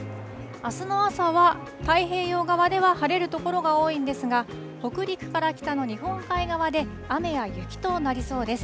あすの朝は、太平洋側では晴れる所が多いんですが、北陸から北の日本海側で、雨や雪となりそうです。